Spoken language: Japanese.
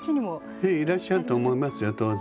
いやいらっしゃると思いますよ当然。